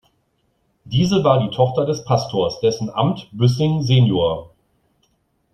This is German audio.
Diese war die Tochter des Pastors, dessen Amt Büssing sen.